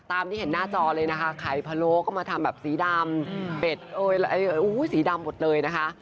ตามที่เห็นหน้าจอเลยนะคะไข่พะโล้ก็มาทำแบบสีดำเป็ดสีดำหมดเลยนะคะ